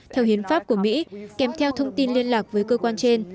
theo hiến pháp của mỹ kèm theo thông tin liên lạc với cơ quan trên